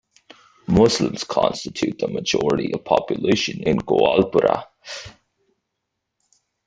Muslims constitute the majority of population in Goalpara.